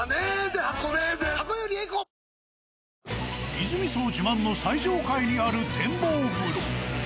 いづみ荘自慢の最上階にある展望風呂。